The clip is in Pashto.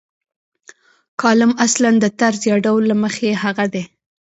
کالم اصلاً د طرز یا ډول له مخې هغه دی.